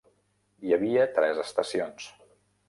Hi havia tres estacions.